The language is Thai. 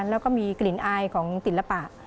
แล้วก็มีกลิ่นอายของศิลปะ